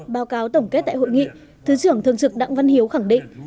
báo cáo tổng kết tại hội nghị thứ trưởng thường trực đặng văn hiếu khẳng định